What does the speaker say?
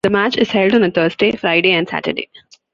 The match is held on a Thursday, Friday and Saturday.